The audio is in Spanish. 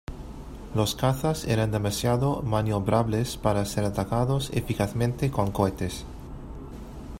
Los cazas eran demasiado maniobrables para ser atacados eficazmente con cohetes.